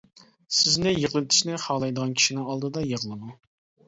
سىزنى يىغلىتىشنى خالايدىغان كىشىنىڭ ئالدىدا يىغلىماڭ.